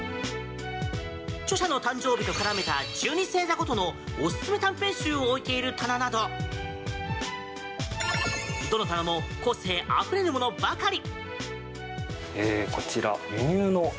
著者の誕生日と絡めた１２星座ごとのおすすめ短編集を置いている棚などどの棚も個性あふれるものばかり！